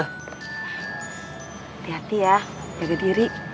hati hati ya jaga diri